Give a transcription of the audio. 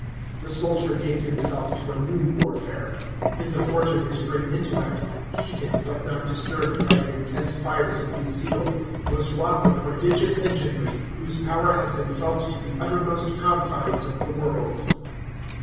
The soldier gave himself to a new warfare. In the forge of his great intellect, heated, but not disturbed by the intense fires of his zeal, was wrought the prodigious enginery whose power has been felt to the uttermost confines of the world.